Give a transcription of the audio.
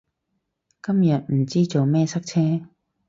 今日唔知做咩塞車